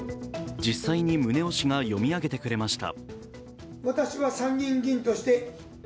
実際に宗男氏が読み上げてくれました。